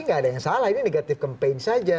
nggak ada yang salah ini negatif campaign saja